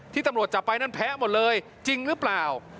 ตำรวจจับไปนั้นแพ้หมดเลยจริงหรือเปล่า